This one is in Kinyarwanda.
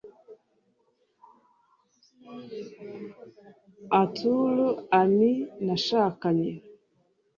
Arthur Amy Nashakanye